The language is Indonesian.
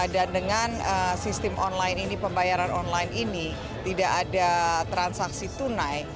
dan dengan sistem online ini pembayaran online ini tidak ada transaksi tunai